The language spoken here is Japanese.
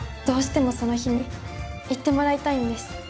どうしても、その日に行ってもらいたいんです。